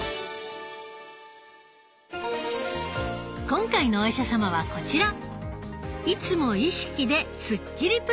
今回のお医者様はこちら！